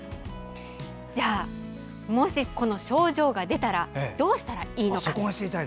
じゃあ、もし、この症状が出たらどうしたらいいのか。